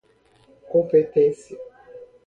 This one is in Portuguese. competência